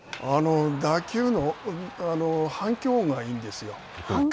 打球の反響音がいいんですよ。